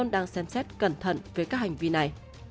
đang xem xét cẩn thận về các hành vi này